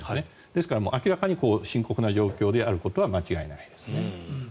ですから明らかに深刻な状況であることは間違いないですね。